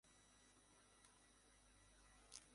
ভেবে ভালোই লাগছে যে তারা ঠিক আছে!